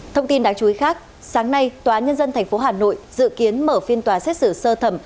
thông tin đáng chú ý khác sáng nay tòa nhân dân tp hà nội dự kiến mở phiên tòa xét xử sơ thẩm